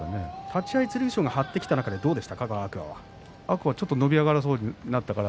立ち合い剣翔が張ってきた中で天空海はどうでしたか。